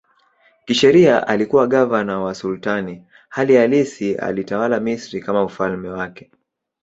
Kisheria alikuwa gavana wa sultani, hali halisi alitawala Misri kama ufalme wake.